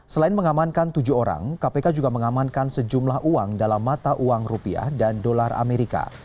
selain mengamankan tujuh orang kpk juga mengamankan sejumlah uang dalam mata uang rupiah dan dolar amerika